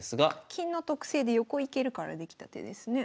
金の特性で横行けるからできた手ですね。